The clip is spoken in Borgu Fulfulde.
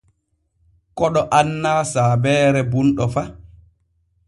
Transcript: Koɗo annaa saabeere bunɗo fa.